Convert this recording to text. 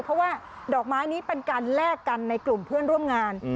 เพราะว่าดอกไม้นี้เป็นการแลกกันในกลุ่มเพื่อนร่วมงาน